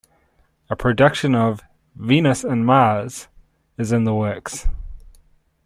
A production of "Venus in Mars" is in the works.